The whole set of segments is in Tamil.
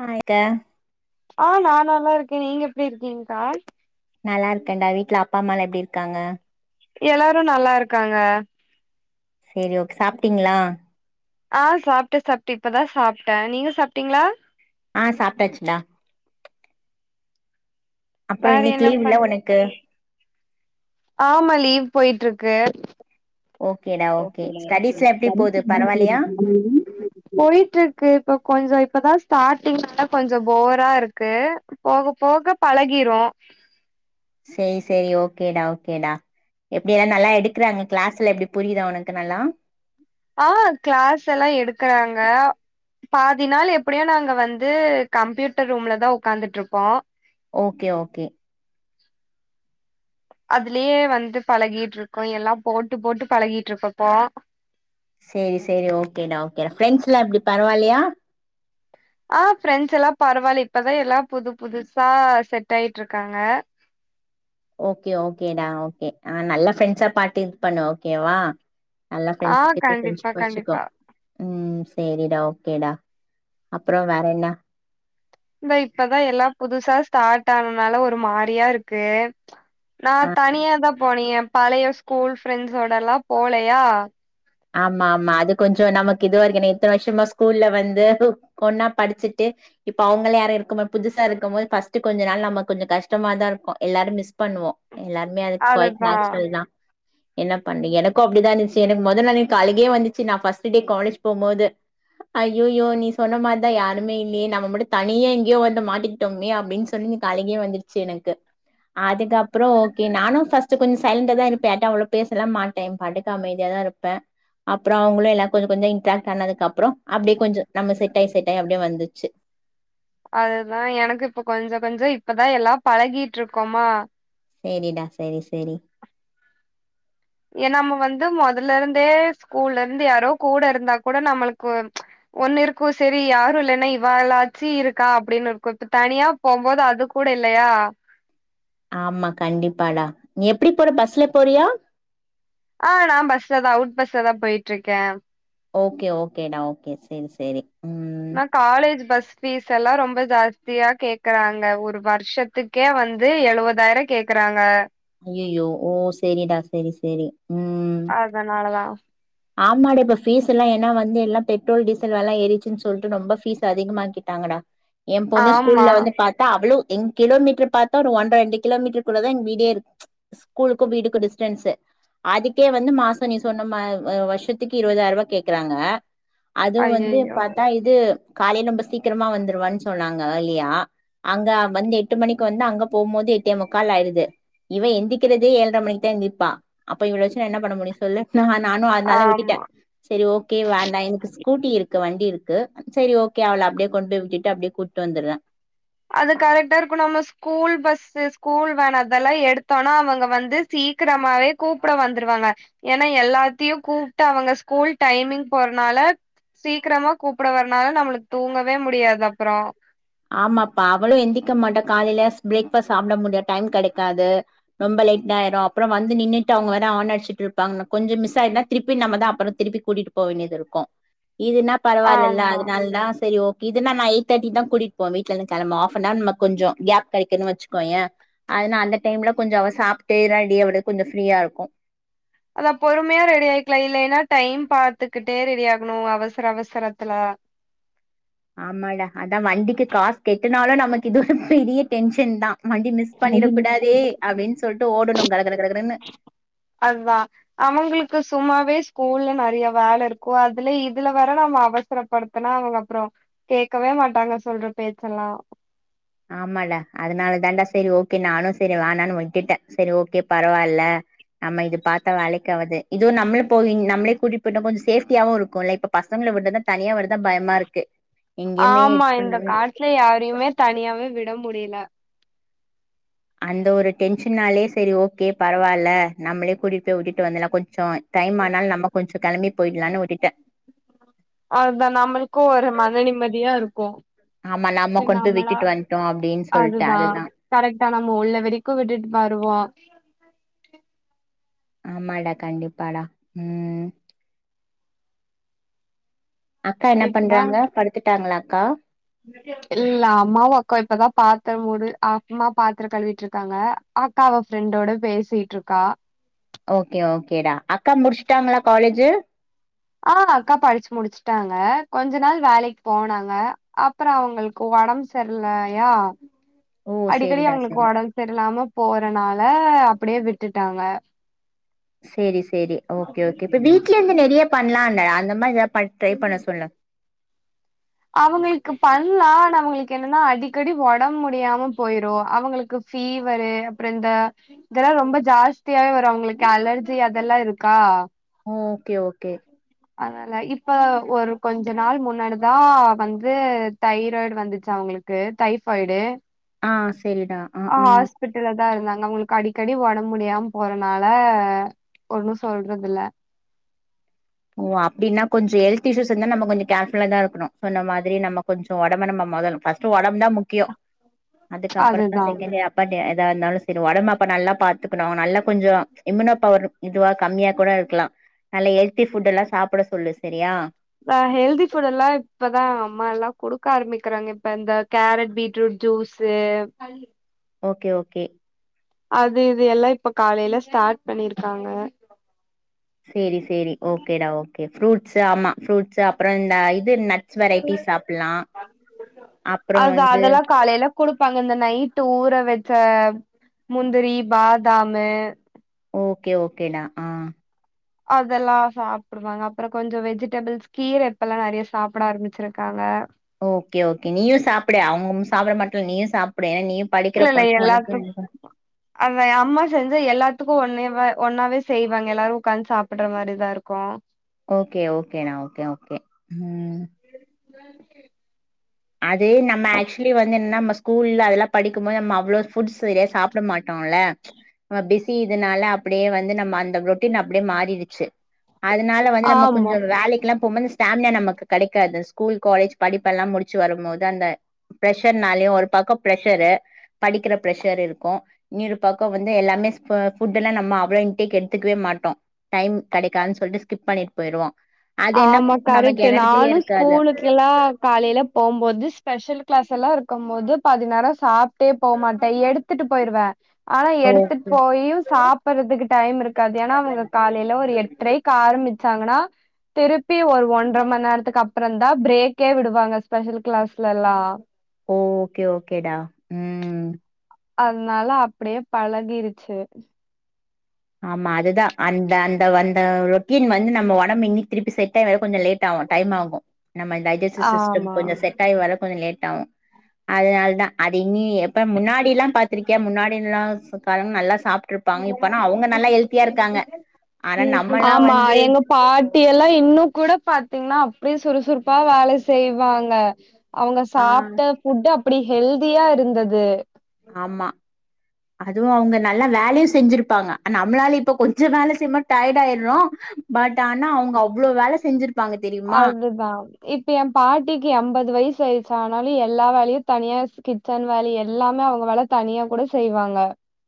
ஹாய் கா ஆ நா நல்லாருக்கே நீங்க எப்டி இருக்கீங்கா நல்லாருக்கேன்டா வீட்டல அப்பா அம்மாலா எப்டி இருக்காங்க எல்லாரு நல்லாருக்காங்க சேரி ஓகே சாப்ட்டீங்ளா ஆ சாப்டே சாப்டே இப்பதா சாப்ட்டே நீங்க சாப்ட்டீங்ளா ஆ சாப்பிட்டாசிடா அப்புற வேற இன்னைக்கு என்ன லீவ் இல்ல பண்ணு ஒனக்கு ஆமா லீவ் போயிட்ருக்கு ஓகேடா ஓகே டா ஓகே ஸ்டடிஸ்லா எப்டி போது பரவால்லையா படிப்பு [inaudible] போயிட்ருக்கு இப்ப கொஞ்ச இப்பதா ஸ்டார்ட்டிங்னால கொஞ்ச போரா இருக்கு போக போக பழகிரு சேரி சேரி ஓகேடா ஓகேடா எப்டி எல்லா நல்லா எடுக்கறாங்க க்ளாஸ்லா எப்டி புரிதா ஒனக்கு நல்லா ஆ க்ளாஸ் எல்லா எடுக்குறாங்க பாதி நாள் எப்டியு நாங்க வந்து கம்ப்யூட்டர் ரூம்லதா ஒகாந்துட்ருப்போ ஓகே ஓகே அதுலயே வந்து பழகிட்ருக்கோ எல்லா போட்டு போட்டு பழகிட்ருக்க இப்போ சேரி சேரி ஓகேடா ஓகேடா ஃப்ரெண்ட்ஸ் எல்லா எப்டி பரவாயில்லயா ஆ ஃப்ரெண்ட்ஸ் எல்லா பரவால்ல இப்பதா எல்லா புது புதுசா செட் ஆயிட்ருக்காங்க ஓகே ஓகேடா ஓகே ஆ நல்ல ஃப்ரெண்ட்ஸா பாத்து இது பன்னு ஓகேவா நல்ல ஆ ஃப்ரெண்ட்ஸ் கிட்ட கண்டிப்பா ஃப்ரெண்ஷிப் வச்சுக்கோ கண்டிப்பா ம் சேரிடா ஓகேடா அப்ற வேற என்ன இந்த இப்பதா எல்லா புதுசா ஸ்டார்ட் ஆனனால ஒரு மாரியா இருக்கு நா ஆ தனியாதா போனே எ பழைய ஸ்கூல் ஃப்ரெண்ட்ஸோடல்லா போலயா ஆமா ஆமா அது கொஞ்ச நமக்கு இதுவரைக்கு இத்தன வருஷமா ஸ்கூல்ல வந்து கொண்ணா படிச்சிட்டு இப்ப அவங்கள யாரு இருக்கும்போது புதுசா இருக்கும் போது ஃபஸ்ட் கொஞ்ச நான் நம்ம கொஞ்ச கஷ்டமாதா இருக்கு எல்லாரு மிஸ் பண்ணுவோ எல்லாருமே அது க்கொயட் அதுதா நேச்சுரல்தா என்ன பண்ணு எனக்கு அப்டிதா இருந்துச்சு எனக்கு மொத நாளே எனக்கு அழுகயே வந்துச்சு நா பர்ஸ்டு டே காலேஜ் போம்போது அயையோ நீ சொன்ன மாரிதா யாருமே இல்லயே நம்ம மட்டு தனியே எங்கயோ வந்து மாட்டி ட்டோமே அப்டின் சொல்லி அழுகயே வந்துடுச்சு எனக்கு அதுக்கப்புற ஓகே நானு பர்ஸ்ட் கொஞ் சைலண்டாதா இருப்பே யார்டையு அவ்ளோ பேசலா மாட் டைம் பாட்டுக்க அமைதியாதா இருப்பே அப்புற அவங்களு எல்லா கொஞ்ச கொஞ்ச இன்ட்ராக்ட் ஆனதுக்கு அப்புற அப்டியே கொஞ்ச நம்ம செட் ஆயி செட் ஆயி அப்டியே வந்துச்சு அதுதா எனக்கு இப்ப கொஞ்ச கொஞ்ச இப்பதா எல்லா பழகிட்ருக்கோமா சேரிடா சேரி சேரி ஏ நம்ம வந்து மொதல இருந்தே ஸ்கூல்ல இருந்து யாரோ கூட இருந்தா கூட நம்மளுக்கு ஒண்ணு இருக்கு செரி யாரு இல்லன்னா இவாலாச்சு இருக்கா அப்டின்னு இருக்கு இப்ப தனியா போம்போது அது கூட இல்லையா ஆமா கண்டிப்பாடா நீ எப்டி போற பஸ்ல போறியா ஆ நான் பஸ்ல தான் ரூட் பஸ்ல தான் போயிட்டு இருக்கே ஓகே ஓகேடா ஓகே சேரி சேரி ம் நான் காலேஜ் பஸ் ஃபீஸ் எல்லாம் ரொம்ப ஜாஸ்தியா கேக்குறாங்க ஒரு வருஷத்துக் கே வந்து எழுவதாயிரம் கேக்குறாங்க ஐயோ ஓ சேரிடா சேரி சேரி அதனாலதான் ஆமாட இப்ப ஃபீஸ் எல்லாம் ஏன்ன வந்து எல்லாம் பெட்ரோல் டீசல் விலை ஏறிடுச்சன்னு சொல்லிட்டு ரொம்ப ஃபீஸ் அதிகமாக்கிட் டாங்கடா என் பொண்ணு ஆமா ஸ்கூல்ல வந்து பாத்தா அவ்வளவு எங் கிலோமீட்டர் பாத்தா ஒரு ஒன்ற ரெண்டு கிலோ மீட்டருக்குள்ள தான் எங்க வீடியே இருக் ஸ்கூலுக்கும் வீடுக்கும் டிஸ்டன்ஸ் அதுக்கே வந்து மாசம் நீ சொன்ன மா் வருஷத்துக்கு இருபதாயிரம் ரூபா கேக்குறாங்க அதுவும் வந்து ஐயையோ பாத்தா இது காலைல நொம்ப சீக்கிரமா வந்துருவான் சொன்னாங்க ஏர்லியா அங்க வந்து எட்டு மணிக்கு வந்து அங்க போம்போது எட்டே முக்கால் ஆயிருது இவ எந்திக்கறதே ஏழரை மணிக்கு தான் எந்திப்பா அப்ப இவள வச்சுநா என்ன பண்ண முடியும் சொல்லு ந நானும் அதனால விட்டுட்டேன் ஆமா சரி ஓகே வேண்டா எனக்கு ஸ்கூட்டி இருக்கு வண்டி இருக்கு சரி ஓகே அவள அப்டியே கெண்டு போய் விட்டுட்டு அப்டியே கூட்டு வந்துருவேன் அது கரெக்ட்டா இருக்கும் நம்ம ஸ்கூல் பஸ்சு ஸ்கூல் வேன் அதெல்லாம் எடுத்தோன்னா அவங்க வந்து சீக்கிரமாவே கூப்பிட வந்துருவாங்க ஏன்னா எல்லாத்தையும் கூப்ட்டு அவங்க ஸ்கூல் டைமிங் போறனால சீக்கிரமா கூப்பிட வரனால நம்மளுக்கு தூங்கவே முடியாது அப்புறம் ஆமாப்பா அவளும் எந்திக்க மாட்டா காலைல பிரேக் ஃபாஸ்ட் சாப்ட முடியாது டைம் கிடைக்காது ரொம்ப லேட்யிரும் அப்புறம் வந்து நின்னுட்டு அவங்க வர ஆன அடிச்சுட்டு இருப்பாங்க கொஞ்ச மிஸ் ஆயிருந்தா திருப்பி நம்ம தான் அப்புறம் திருப்பி கூட்டிட்டு போ வேண்டியது இருக்கும் இதுன்னா பரவாயில்லல்ல ஆமா அதனால தான் சரி ஓகே இது நா நா எயிட் தேர்ட்டி க்கு தான் கூட்டிட்டு இப்போ வீட்ல இருந்து கிளம்பு ஹாஃப் அன் ஹவர் முன்ன கொஞ்சம் கேப் கிடைக்குது வச்சுகோயே அதனா அந்த டைம்ல கொஞ்சம் அவன் சாப்பிட்டே றாண்டியா அவளுக்கு கொஞ்சம் ஃப்ரீயா இருக்கும் அதா பொறுமையா ரெடி ஆயிக்கலாம் இல்லைன்னா டைம் பாத்துக்கிட்டே ரெடி ஆகணும் அவசர அவசரத்துல ஆமாட அதான் வண்டிக்கு காசு கேட்டுனாலும் நமக்கு இது ஒரு பெரிய டென்ஷன் தான் வண்டி மிஸ் அது பண்ணிடக் மிஸ் கூடாதே பண்ண அப்டின்னு சொல்லிட்டு ஓடணும் கர கட கட கட ன்னு அல்வா அவங்களுக்கு சும்மாவே ஸ்கூல்ல நறைய வேலை இருக்கும் அதுல இதுல வர நம்ம அவசர படுத்தனா அவங்க அப்புறம் கேட்கவே மாட்டாங்க சொல்ற பேச்செல்லாம் ஆமாடா அதனால தாடா சரி ஓகே நு நானும் சரி வே நானு விட்டுட்டேன் சரி ஓகே பரவால்ல நம்ம இது பாத்தா வேலைக்காவாது இதுவும் நம்மள போய் நம்மளே கூட்டி போய்ட்டா கொஞ்சம் சேப்டியாவும் இருக்கும் ல இப்ப பசங்களை விட்டதான் தனியா வரத்தா பயமா இருக்கு எங்கேயுமே இது பண்ண ட்ல யாரையுமே தனியாவே விட முடியல அந்த ஒரு டென்ஷன்னாலே சரி ஓகே பரவால்ல நம்மளே கூட்டிட்டு போய் விட்டிட்டு வந்தலாம் கொஞ்சம் டைம் ஆனாலும் நம்ம கொஞ்சம் கிளம்பி போயிடலாம்னு விட்டுடேன் அதா நம்மளுக்கும் ஒரு மன நிம்மதியா இருக்கும் ஆமா நாம கொண்டு போய் விட்டுட்டு வந்துட்டோம் அப்டின்னு சொல்லிட்டு அதுதான் கரெக்ட்டா நம்ம உள்ள வரைக்கும் விட்டுட்டு வருவோம் ஆமாடா கண்டிப்பாடா உம் அக்கா என்ன இப்பதா பண்றாங்க படுத்துட்டாங்களா அக்கா இல்ல அம்மாவும் அக்கா இப்பதான் பாத்திரம் மூடு அம்மா பாத்திரம் கழுவிட்டு இருக்காங்க அக்கா அவ ஃப்ரெண்டோட பேசிட்டு இருக்கா ஓகே ஓகேடா அக்கா முடிச்சுட்டாங்களா காலேஜ் ஆ அக்கா படிச்சு முடிச்சுட்டாங்க கொஞ்ச நாள் வேலைக்கு போனாங்க அப்பறம் அவங்களுக்கு உடம்பு சரியலயா ஓ அடிக்கடி சேரிடா அவங்களுக்கு சேரி உடம்பு சரியில்லாம போறனால அப்படியே விட்டுட்டாங்க சரி சரி ஓகே ஓகே இப்ப வீட்ல இருந்து நிறைய பண்ணலாம்ல அந்த மாதிரி ட்ரை பண்ண சொல் அவங்களுக்கு பண்ணலான் அவங்களுக்கு என்னன்னா அடிக்கடி உடம்ப முடியாம போயிரும் அவங்களுக்கு ஃபீவர் அப்புறம் இந்த இதெல்லாம் ரொம்ப ஜாஸ்தியாவே வரும் அவங்களுக்கு அலர்ஜி அதெல்லா இருக்கா ஓகே ஓகே அதனால இப்ப ஒரு கொஞ்ச நாள் முன்னாடி வந்து தைராய்டு வந்துச்சு அவங்களுக்கு டைபாய்டு ஆ சரிடா ஆ அ ஹாஸ்பிடல் தா இருந்தாங்க அவங்களுக்கு அடிக்கடி உடம்பு முடியாம போறனால ஒன்னும் சொல்றது இல்ல ஓ அப்படனா கொஞ்ச ஹெல்த் இயூஸ் இருந்த நம கொஞ்சம் கர்ஃபுல்ல இருக்கணும் சொன்ன மாதிரி நம்ம கொஞ்ச உடம்பு நம்ம ஃபர்ஸ்ட் உடம்பு தா அதுக்கப்புற தா அதுதா செகண்டே பட் எதா இருந்தாலும் சரி உடம்புப்ப நல்லா பாத்துக்கணும் நல்லா கொஞ்சம் இம்யூனா பவர் இதுவா கம்மியா கூட இருக்கலா நல்ல ஹெல்த்தி ஃபுட் எல்லாம் சாப்பிட சொல்லு சரியா ஹெல்தி ஃபுட் எல்லாம் இப்பதா அம்மா எல்லாம் கொடுக்க ஆரம்பிக்கிறாங்க இப்ப இந்த carrot beetroot juice okay okay அது இது எல்லா இப்ப காலையில ஸ்டார்ட் பண்ணிருக்காங்க சரி சரி ஓகேடா ஓகே ஃப்ரூட்ஸ் ஆமா அப்பறம் இந்த இது நட் அப்புறோ அதுதா வந்து அத்தெல்ல காலைல குடுப்பாங்க இந்த நைட்டு் ஊற வச்ச முந்திரி பாதாமு ஓகே ஓகேடா ஆ அதெல்லா சாப் படுவாங்க அப்புறம் கொஞ்ச வெஜிடபிள்ஸ் கீர இப்ப எல்லா நிறைய சாப்பிட ஆரம்பிச்சிருக்காங்க ஓகே ஓகே நீயும் சாப்பிடடு அவங்க சாப்பிட மாட்ட இல்ல நீயும் சாப்பிடு ஏன்னா நீ படிக்கிற இல்ல இல்ல பொண்ண உனக்கு எல்லாத்துக் அத அம்மா செஞ்ச எல்லாத்துக்கும் ஒன்னே ஒன்னாவே செய்வாங்க எல்லாரும் உட்காந்து சாப்பிடுற மாதிரிதா இருக்கும் ஓகே ஓகேண்ணா ஓகே ஓகே ம் [inaudible] சிவாங்கி அது நம்ம ஆக்சுவலி வந்து என்ன நம்ம ஸ்கூல்ல அதெல்லாம் படிக்கும் போது நம்ம அவ்ளோ ஃபட்ஸ் சாப்ப பிட மாட்டோம்ல நம்ம பிஸி இதுனால அப்படியே வந்து நம்ம அந்த ரொட்டீன் அப்படியே மாறிடுச்சு அதனால வந்து நம்ம ஆமா கொஞ்சம் வேலைக்குல்லாம் போகும் போது ஸ்டோமினா நமக்கு கிடைக்காது ஸ்கூல் காலேஜ் படிப்பு எல்லாம் முடிச்ச வரும்போது அந்த ப்ரஷர்னாலயும் ஒரு பக்கம் ப்ரஷரு படிக்கிற ப்ரெஷர் இருக்கும் இன்னொரு பாக்கம் வந்து எல்லாமே புட் எல்லாம் நம்ம அவ்வளோ இன்ட்டேக்கு எடுத்துக்கவே மாட்டோம் டைம் கிடைக்காதுன்னு சொல்லிட்டு ஸ்கிப் பண்ணிட்டு போயிருவோம் ஆமா கரெக்ட நானு இருக்காது ஸ்கூலுக்குல்லா காலையில போகும்போது ஸ்பெஷல் கிளாஸ் எல்லாம் இருக்கும் போது பதி நேரம் சாப்பிட்டே போமாட்டே எடுத்து எடுத்துட்டு போயடுவே ஆனா எடுத்துட்டு ஓகே போயும் சாப்ப டுறதுக்கு டைம் இருக்காது ஏன்னா அவங்க காலையில ஒரு எட்டரைக்கு ஆரம்பிச்சாங்கன்னா திருப்பி ஒரு ஒன்றர ம நேரத்துக்கு அப்புறம் தா பிரேக்கே விடுவாங்க ஸ்பெஷல் கிளாஸ்ல எல்லாம் ஓகே ஓகே டா ம் அத்னால அப்டியே பழகிருச்சி ஆமா அதுதா அந்த அந்த அந்த ரொட்டீன் வந்து நம்ம ஒடம்பு இன்னிக் திருப்பி செட்டாக கொஞ்ச லேட் ஆவு டைம் ஆகு நம்ம இந்த டைஜசிஸ் சிஸ்டம் ஆமா கொஞ்ச செட் டாயி வர கொஞ்ச லேட் ஆகு அதனால் தா அது இனி இப்ப முன்னாடி எல்லா பாத்திருக்கியா முன்னாடில்லா கால்ல நல்லா சாப்ட்ருப்பாங்க இப்ப அவுங்க நல்லா ஹெல்த்தியா இருக்காங்க ஆனா நம்மல்லா ஆமா வந்து எங்க பாட்டி எல்லா இன்னு கூட பாத்தீங்னா அப்டியே சுறு சுறுப்பா வேல செய்வாங்க அவுங்க ஆ சாப்ட்ட ஃபுட் அப்டி ஹெல்தியா இருந்தது ஆமா அதுவு அவுங்க நல்லா வேலையு செஞ்சிருப்பாங்க அ நம்ளாலே இப்ப கொஞ்ச வேல செய்மா டயட் ஆய்ர்றோ பட் ஆனா அவுங்க அவ்ளோ வேல செஞ்சிரு அதுதா இப்ப எ பாட்டிக்கு எம்பது வயசு ஆய்டுச்சு ஆனாலு எல்லா வேலயு தனியா கி ச்சன் வேல எல்லாமே அவுங்க வேல தனியா கூட செய்வாங்க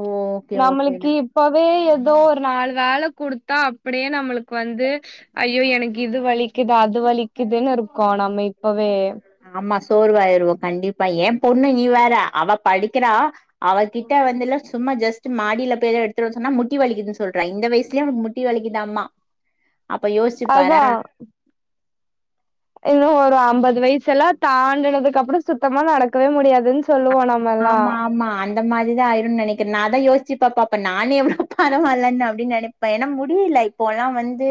ஓ ஓகே நம்மளுக்கி ஓகேடா இப்பவே ஏதோ ஒரு நாலு வேல குடுத்தா அப்டியே நம்மளுக் வந்து ஐயோ எனக்கு இது வலிக்குது அது வலிக்குதுன்னு இருக்கோ நம்ம இப்பவே ஆமா சோர்வாயிருவோ கண்டிப்பா எ பொண்ணு நீ வேற அவ படிக்கிறா அவ கிட்ட வந்துல்லா சும்மா ஜஸ் மாடியில போய் எதா எடுத்து வர சொன்னா முட்டி வலிக்குதுன சொல்றா இந்த வயசுலேயே அவளுக்கு முட்டி வலிக்குதாமா அப்ப யோச்சிப் பாறே அதா இன்னு ஒரு ஐம்பது வயசு எல்லா தாண்டனதுக்கு அப்றோ சுத்தமா நடக்கவே முடியாதுன் சொல்லுவோ நம் ஆமா ஆமா அன் இந்த மாரி தா ஆயுரு நெனைக்கிற நா அதா யோச்சி பாப்ப அப்ப நான் எவ்ளோ பராவாலன் அப்டின் நெனைப் இப்ப ஏனா முடியில இப்போ எல்லா வந்து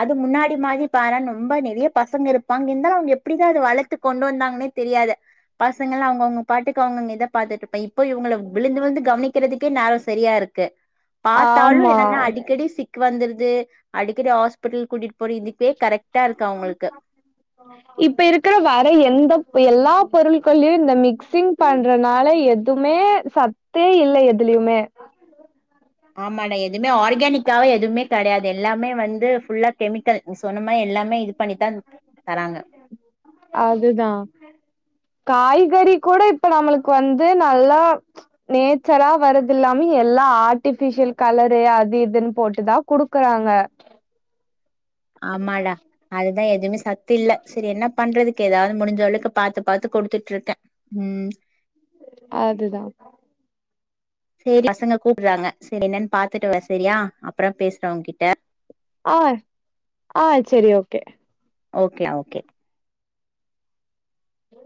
அது முன்னாடி மாரி பாறே ரொம்ப நெறைய பசங்க இருப்பாங்க இருந்தாலு அவுங்க எப்டிதா அத வளத்து கொண்டு வந்தாங்கனே தெரியாது பசங்கள அவுங் அவுங்க பாட்டுக்கு அவுங்கங்க பாத்துட்டு இருப்ப ப இவுங்கள விழுந்து விழுந்து கவனிக்கிறதுக்கே நேரோ செரியா இருக்கு பாத்தாலு ஆமா என்னன்னா அடிக்கடி சிக் கு வந்துருது அடிக்கடி ஹாஸ்பிட்டல் கூட்டிட் போற இதுக்கு வே கரெக்டா இருக்கு அவுங்களுக்கு இப்ப இருக்கற வேற எந்த எல்லா பொருள்கள்லயு இந்த மிக்ஸ் சிங் பண்றதுனால எதுவுமே சத்தே இல்ல எதுலியுமே ஆமாடா எதுவுமே ஆர்கானிக்காவ எதுவுமே கெடையாது எல்லாமே வந்து ஃபுல்லா கெமிக்கல் சொன்ன மாரி எல்லாமே இது பண்ணித்தா தராங்க அதுதா காய்கறி கூட இப்ப நம்மளுக்கு வந்து நல்லா நேச்சரா வரதில்லாம எல்லா ஆர்ட்டி ஃபிஷியல் கலரு அது இதுன் போட்டுதா குடு க்கறாங்க ஆமாடா அதுதா எதுவுமே சத்து இல்ல செரி என்ன பண்றதுக்கு ஏதாவது முடிஞ்சளவுக்கு பாத்து பாத்து குடுத்துட்ருக்கே ம் அதுதா செரி பசங்க கூப்புறாங்க செரி என்னன் பாத்துட்டு வர செரியா அப்றோ பேசற உ கிட்ட ஆ ஆ செரி ஓகே ஓகே ஓகே ஹலோ